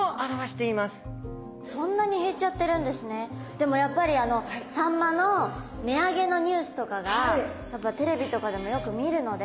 でもやっぱりサンマの値上げのニュースとかがテレビとかでもよく見るので。